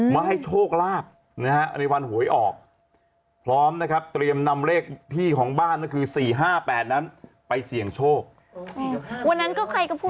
มาให้โชคลาบนะฮะในวันโหยออก